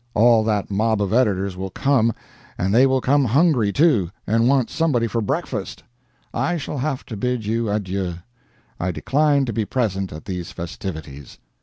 All that mob of editors will come and they will come hungry, too, and want somebody for breakfast. I shall have to bid you adieu. I decline to be present at these festivities.